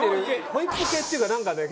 ホイップ系っていうかなんかね